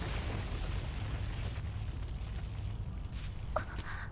あっ。